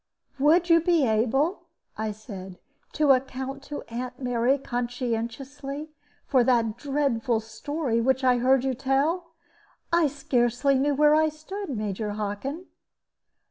"Would you be able," I said, "to account to Aunt Mary conscientiously for that dreadful story which I heard you tell? I scarcely knew where I stood, Major Hockin."